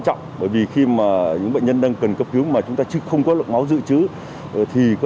trọng bởi vì khi mà những bệnh nhân đang cần cấp cứu mà chúng ta không có lượng máu dự trữ thì có